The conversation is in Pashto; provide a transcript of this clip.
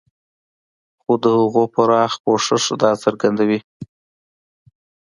خو د هغو پراخ پوښښ دا څرګندوي.